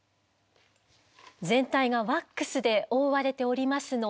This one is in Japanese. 全体がワックスで覆われておりますので。